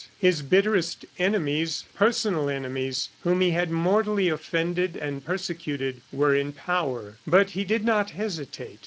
His bitterest enemies personal enemies, whom he had mortally offended and persecuted were in power; but he did not hesitate.